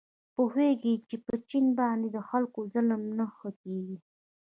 پوهېږي چې په چیني باندې د خلکو ظلم نه ښه کېږي.